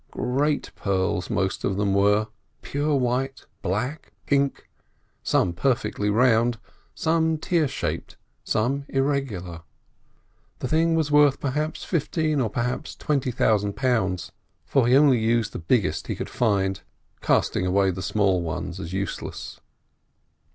Great pearls most of them were—pure white, black, pink, some perfectly round, some tear shaped, some irregular. The thing was worth fifteen, or perhaps twenty thousand pounds, for he only used the biggest he could find, casting away the small ones as useless.